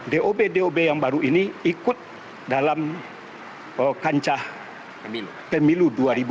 dob dob yang baru ini ikut dalam kancah pemilu dua ribu dua puluh